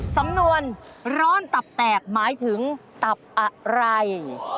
สำนวนร้อนตับแตกหมายถึงตับอะไร